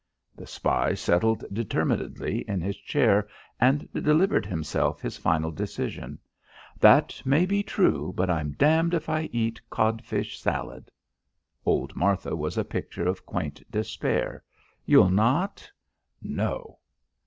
The spy settled determinedly in his chair and delivered himself his final decision. "That may all be true, but I'm damned if I eat codfish salad." Old Martha was a picture of quaint despair. "You'll not?" "No!"